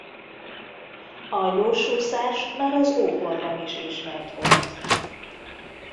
A gyorsúszás már az ókorban is ismert volt.